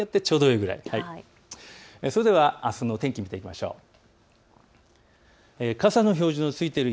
それではあすの天気を見ていきましょう。